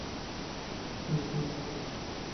বুঝলেন কী বলছি?